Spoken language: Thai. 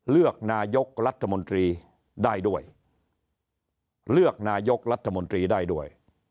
เลือกนายกรัฐมนตรีได้ด้วยเลือกนายกรัฐมนตรีได้ด้วย